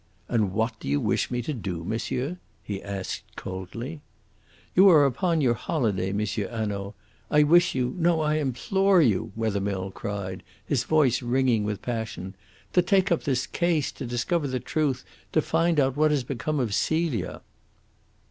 "And what do you wish me to do, monsieur?" he asked coldly. "You are upon your holiday, M. Hanaud. I wish you no, I implore you," Wethermill cried, his voice ringing with passion, "to take up this case, to discover the truth, to find out what has become of Celia."